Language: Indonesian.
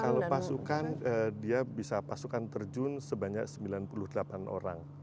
kalau pasukan dia bisa pasukan terjun sebanyak sembilan puluh delapan orang